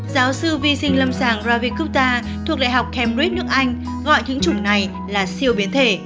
giáo sư vi sinh lâm sàng ravi gupta thuộc đại học cambridge nước anh gọi những chủng này là siêu biến thể